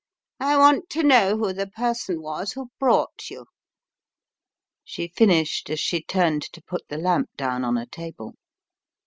I want to know who the person was who brought you." She finished as she turned to put the lamp down on a table.